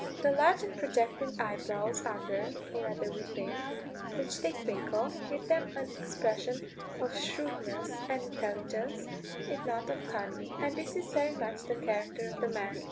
The large and projecting eyebrows under, or rather within, which they twinkle, give them an expression of shrewdness and intelligence, if not of cunning. And this is very much the character of the man.